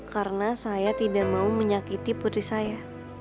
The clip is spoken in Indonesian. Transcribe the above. karena saya tidak mau menyakiti putri saya